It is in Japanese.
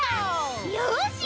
よし！